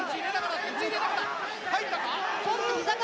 入ったか？